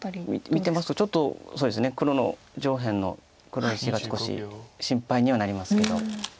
見てますとちょっと黒の上辺の黒石が少し心配にはなりますけど。